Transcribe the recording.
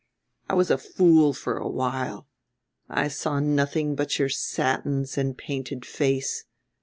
I was a fool for a while; I saw nothing but your satins and painted face.